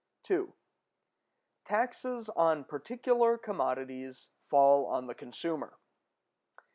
§ 2. Taxes on particular commodities fall on the consumer.